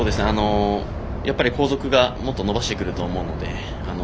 やっぱり後続がもっと伸ばしてくると思うので。